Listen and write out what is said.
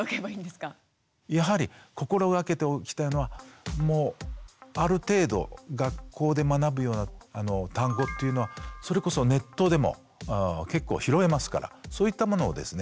やはり心がけておきたいのはもうある程度学校で学ぶような単語っていうのはそれこそネットでも結構拾えますからそういったものをですね